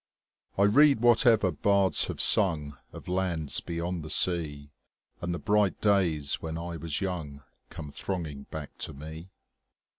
I read whatever bards have sung Of lands beyond the sea, 10 And the bright days when I was young Come thronging back to me.